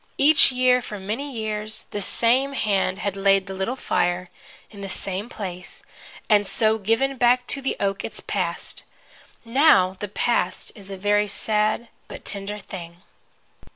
Each year, for many years, the same hand had laid the little fire, in the same place, and so given back to the oak its Past. Now, the Past is a very sad but tender thing.